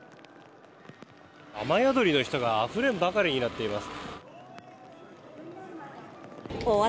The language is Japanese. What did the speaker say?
雨宿りの人があふれんばかりになっています。